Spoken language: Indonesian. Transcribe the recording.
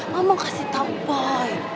mama mau kasih tau boy